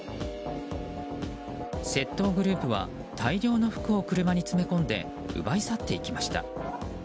窃盗グループは大量の服を車に詰め込んで奪い去っていきました。